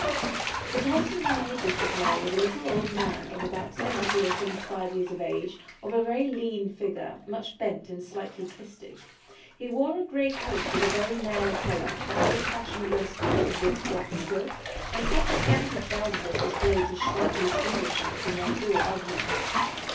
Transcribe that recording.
The parson who made this reply was a little old man, of about seventy or seventy five years of age, of a very lean figure, much bent and slightly twisted. He wore a grey coat with a very narrow collar, an old fashioned waistcoat of ribbed black silk, and such scanty trousers as displayed his shrunken spindle shanks in their full ugliness.